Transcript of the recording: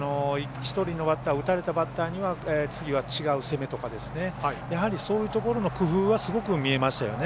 打たれたバッターには次は違う攻めとかそういうところの工夫はすごく見えましたよね。